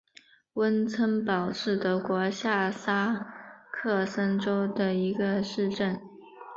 温岑堡是德国下萨克森州的一个市镇。